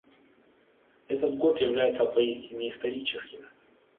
Этот год является поистине историческим.